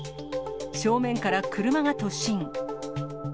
正面から車が突進。